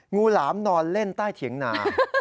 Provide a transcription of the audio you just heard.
หลามนอนเล่นใต้เถียงนา